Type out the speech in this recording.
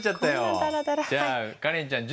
じゃあカレンちゃん授業に。